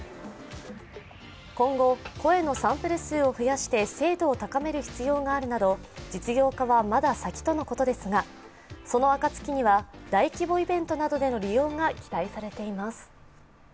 今後、声のサンプル数を増やして精度を高める必要があるなど実用化はまだ先とのことですがそのあかつきには大規模イベントなどでの利用が期待されています。